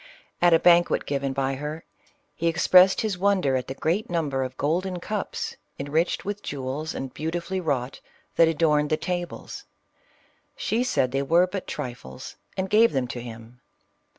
At a banquet given by her, he expressed his wonder at the great number of golden cups, enriched with jewels, and beautifully wrought, that adorned the tables. She said they were but tri fles, and gave them to him.